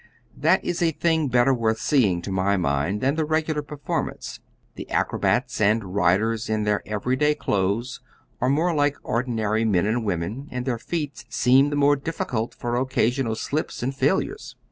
That is a thing better worth seeing, to my mind, than the regular performance; the acrobats and riders in their every day clothes are more like ordinary men and women, and their feats seem the more difficult for occasional slips and failures.